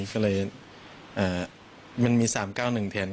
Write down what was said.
ก็เลยมันมี๓๙๑แทน